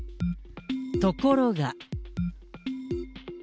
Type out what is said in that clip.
ところが。